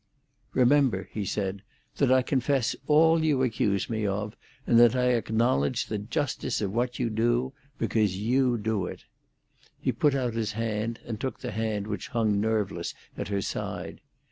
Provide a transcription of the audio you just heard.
"Remember," he said, "that I confess all you accuse me of, and that I acknowledge the justice of what you do—because you do it." He put out his hand and took the hand which hung nerveless at her side.